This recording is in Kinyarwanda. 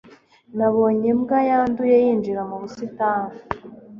Nabonye imbwa yanduye yinjira mu busitani.